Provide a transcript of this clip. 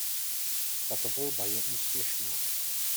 Tato volba je úspěšná.